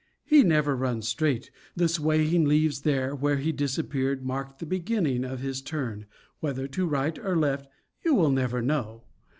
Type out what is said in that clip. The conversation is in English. He never runs straight; the swaying leaves there where he disappeared mark the beginning of his turn, whether to right or left you will never know.